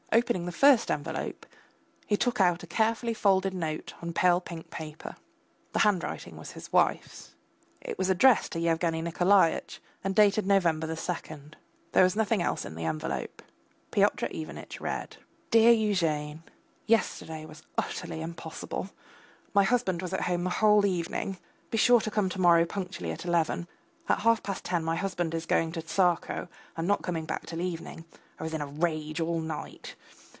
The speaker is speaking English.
Opening the first envelope, he took out a carefully folded note on pale pink paper. The handwriting was his wife's. It was addressed to Yevgeny Nikolaitch and dated November the second. There was nothing else in the envelope. Pyotr Ivanitch read: DEAR EUGÈNE, Yesterday was utterly impossible. My husband was at home the whole evening. Be sure to come to morrow punctually at eleven. At half past ten my husband is going to Tsarskoe and not coming back till evening. I was in a rage all night.